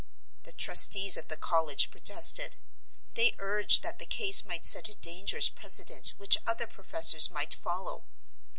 The trustees of the college protested; they urged that the case might set a dangerous precedent which other professors might follow.